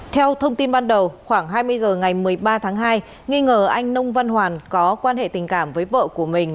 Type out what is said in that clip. theo thông tin ban đầu khoảng hai mươi h ngày một mươi ba tháng hai nghi ngờ anh nông văn hoàn có quan hệ tình cảm với vợ của mình